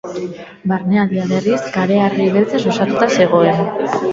Barnealdea berriz kareharri beltzez osatuta zegoen.